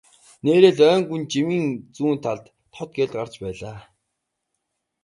Нээрээ л ойн гүнд жимийн зүүн талд тод гэрэл гарч байлаа.